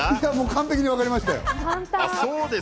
完璧に分かりましたよ。